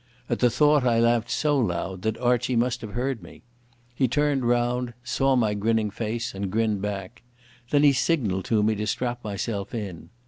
At the thought I laughed so loud that Archie must have heard me. He turned round, saw my grinning face, and grinned back. Then he signalled to me to strap myself in.